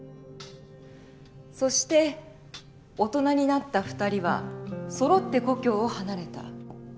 そして大人になった２人はそろって故郷を離れた。